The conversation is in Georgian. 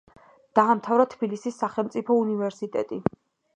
დაამთავრა თბილისის სახელმწიფო უნივერსიტეტი.